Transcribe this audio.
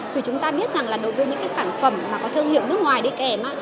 vì chúng ta biết rằng là đối với những sản phẩm mà có thương hiệu nước ngoài đi kèm